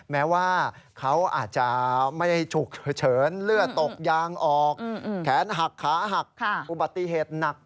แม้ว่าเขาอาจจะไม่ได้ฉุกเฉินเลือดตกยางออกแขนหักขาหักอุบัติเหตุหนัก